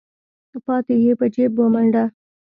پاتې يې په جېب ومنډه.